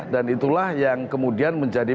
dan itulah yang kemudian menjadi